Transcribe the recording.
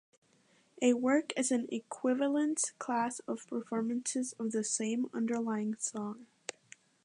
A work is an equivalence class of performances of the same underlying song.